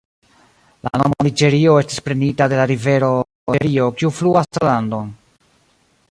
La nomo Niĝerio estis prenita de la rivero Niĝero kiu fluas tra la landon.